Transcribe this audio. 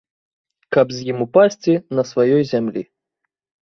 Каб з ім упасці на сваёй зямлі.